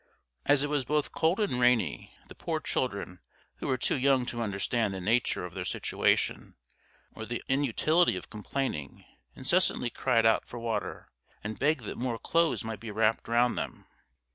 As it was both cold and rainy, the poor children, who were too young to understand the nature of their situation, or the inutility of complaining, incessantly cried out for water, and begged that more clothes might be wrapped round them.